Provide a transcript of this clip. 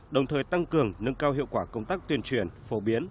đồng thời tăng cường nâng cao hiệu quả công tác tuyên truyền phổ biến